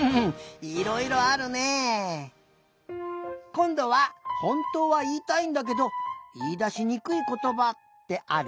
こんどはほんとうはいいたいんだけどいいだしにくいことばってある？